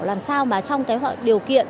làm sao mà trong điều kiện